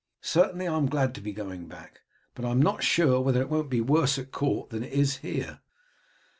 Certainly I am glad to be going back, but I am not sure whether it won't be worse at court than it is here."